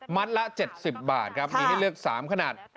ละ๗๐บาทครับมีให้เลือก๓ขนาด